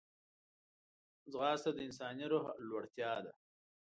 ځغاسته د انساني روح لوړتیا ده